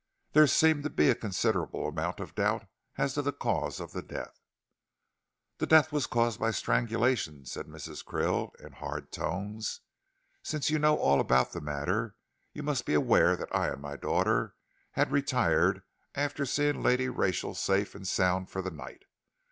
"There seemed to be a considerable amount of doubt as to the cause of the death." "The death was caused by strangulation," said Mrs. Krill, in hard tones. "Since you know all about the matter, you must be aware that I and my daughter had retired after seeing Lady Rachel safe and sound for the night.